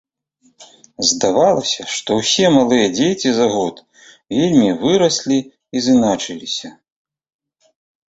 Здавалася, што ўсе малыя дзеці за год вельмі выраслі і зыначыліся.